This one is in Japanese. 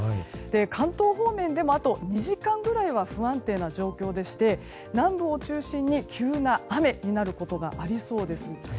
関東方面でもあと２時間ぐらいは不安定な状況でして南部を中心に急な雨になることがありそうです。